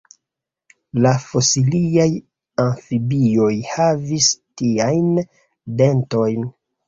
La fosiliaj amfibioj havis tiajn dentojn.